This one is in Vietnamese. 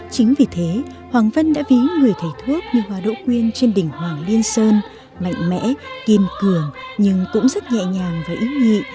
chính vì thế hoàng vân đã ví người thầy thuốc như hoa đỗ quyên trên đỉnh hoàng liên sơn mạnh mẽ kiên cường nhưng cũng rất nhẹ nhàng và ý nhị